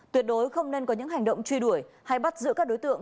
tuyệt đối không nên có những hành động truy đuổi hay bắt giữ các đối tượng